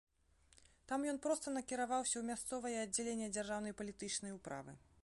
Там ён проста накіраваўся ў мясцовае аддзяленне дзяржаўнай палітычнай управы.